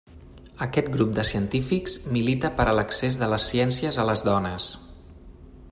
Aquest grup de científics milita per a l'accés de les ciències a les dones.